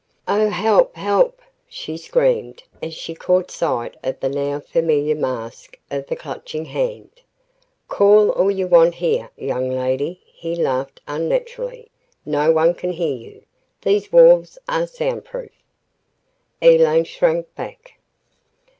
"Oh help! help!" she screamed as she caught sight of the now familiar mask of the Clutching Hand. "Call all you want here, young lady," he laughed unnaturally. "No one can hear. These walls are soundproof!" Elaine shrank back.